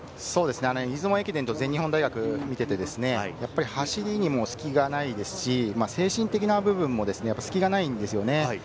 出雲駅伝と全日本大学を見ていて、走りにも隙がないですし、精神的な部分も隙がないんですよね。